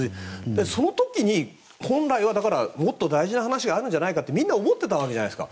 その時に、本来はもっと大事な話があるんじゃないかってみんな思ってたじゃないですか。